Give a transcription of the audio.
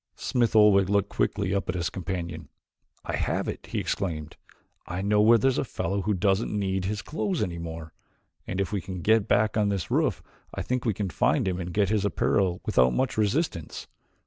Smith Oldwick looked quickly up at his companion. "I have it," he exclaimed. "I know where there is a fellow who doesn't need his clothes anymore, and if we can get back on this roof I think we can find him and get his apparel without much resistance.